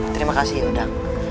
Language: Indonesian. terima kasih oda